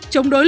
trong đối lập